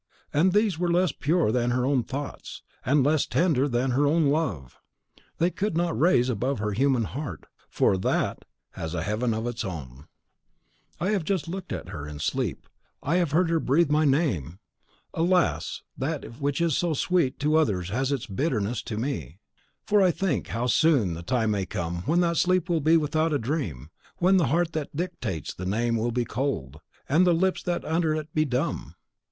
And these were less pure than her own thoughts, and less tender than her own love! They could not raise her above her human heart, for THAT has a heaven of its own. .... I have just looked on her in sleep, I have heard her breathe my name. Alas! that which is so sweet to others has its bitterness to me; for I think how soon the time may come when that sleep will be without a dream, when the heart that dictates the name will be cold, and the lips that utter it be dumb.